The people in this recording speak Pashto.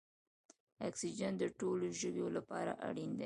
اکسیجن د ټولو ژویو لپاره اړین دی